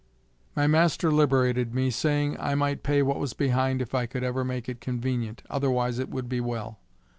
My master liberated me, saying I might pay what was behind if I could ever make it convenient, otherwise it would be well.